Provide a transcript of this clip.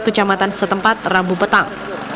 kecamatan setempat rabu petang